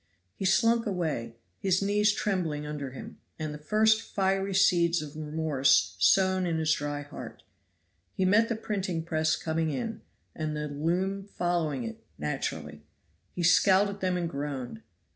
He slunk away, his knees trembling under him, and the first fiery seeds of remorse sown in his dry heart. He met the printing press coming in, and the loom following it (naturally); he scowled at them and groaned.